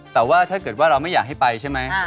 แต่ว่าถ้าเกิดว่าเราไม่อยากให้ไปใช่ไหม